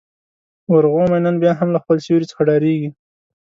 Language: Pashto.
ورغومی نن بيا هم له خپل سیوري څخه ډارېږي.